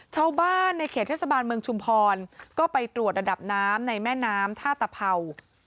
ชาวบ้านในเขตเทศบาลเมืองชุมพรก็ไปตรวจระดับน้ำในแม่น้ำท่าตะเผา